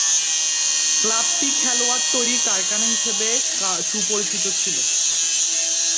ক্লাবটি 'খেলায়াড় তৈরীর কারখানা' হিসেবে সুপরিচিত ছিল।